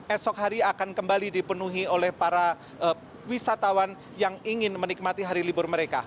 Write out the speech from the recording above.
esok hari akan kembali dipenuhi oleh para wisatawan yang ingin menikmati hari libur mereka